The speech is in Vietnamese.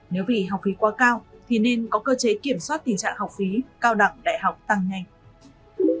nếu vì học phí quá cao thì nên có cơ chế kiểm soát tình trạng học phí cao đẳng đại học tăng nhanh